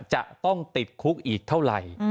จะต้องติดคุกอีกเท่าไหร่